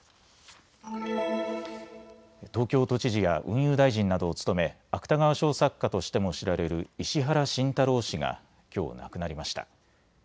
東京都知事や運輸大臣などを務め、芥川賞作家としても知られる石原慎太郎氏がきょう亡くなりました。